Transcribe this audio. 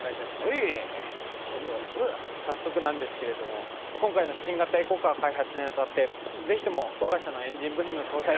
社長早速なんですけれども今回の新型エコカー開発に当たってぜひとも我が社のエンジン部品の搭載を。